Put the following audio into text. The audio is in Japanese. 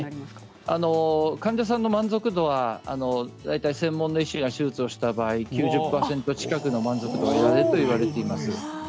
患者さんの満足度は大体専門の医師が手術をした場合９０％近くの満足度が得られるとされています。